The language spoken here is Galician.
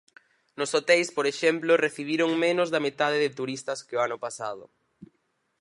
Nos hoteis, por exemplo, recibiron menos da metade de turistas que o ano pasado.